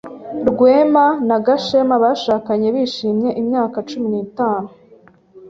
Rwema na Gashema bashakanye bishimye imyaka cumi n'itatu.